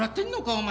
お前。